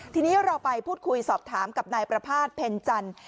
ทีนี้เราไปพูดคุยสอบถามกับนายประภาษณเพ็ญจันทร์